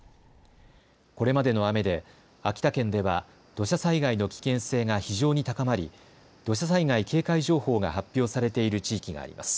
これまでの雨で秋田県では土砂災害の危険性が非常に高まり土砂災害警戒情報が発表されている地域があります。